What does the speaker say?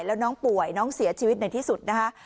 แล้วน้องป่วยน้องเสียชีวิตในที่สุดนะคะ